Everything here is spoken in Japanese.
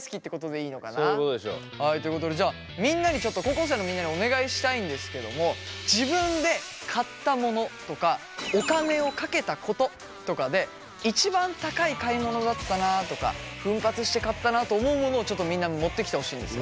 そういうことでしょう。ということでじゃあちょっと高校生のみんなにお願いしたいんですけども自分で買ったものとかお金をかけたこととかで一番高い買い物だったなとか奮発して買ったなと思うものをみんな持ってきてほしいんですよ。